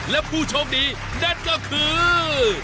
และผู้โชคดีนั่นก็คือ